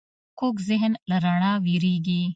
کوږ ذهن له رڼا وېرېږي